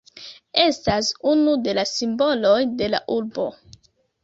Estas unu de la simboloj de la urbo.